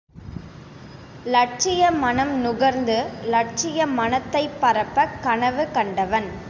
இலட்சிய மணம் நுகர்ந்து லட்சிய மணத்தைப் பரப்பக் கனவு கண்டவன்.